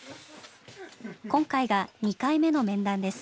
今回が２回目の面談です。